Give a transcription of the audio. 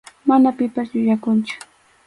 Mana pipas yuyakunchu.